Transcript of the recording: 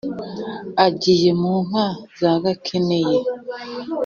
Agiye mu nka za Gakeneye